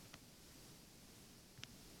Buni qabul qilish mumkin